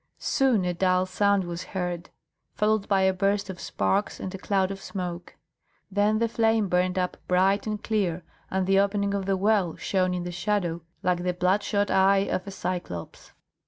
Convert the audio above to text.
Soon a dull sound was heard, followed by a burst of sparks and a cloud of smoke, then the flame burned up bright and clear, and the opening of the well shone in the shadow like the bloodshot eye of a Cyclops.